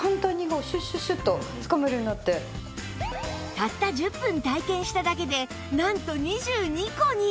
たった１０分体験しただけでなんと２２個に！